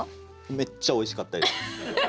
めっちゃおいしかったです。